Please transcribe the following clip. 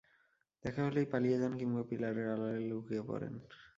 দেখা হলেই পালিয়ে যান কিংবা পিলারের আড়ালে লুকিয়ে পড়েন।